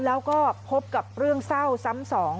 แล้วก็พบกับเรื่องเศร้าซ้ำสอง